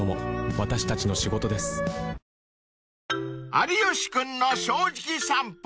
［『有吉くんの正直さんぽ』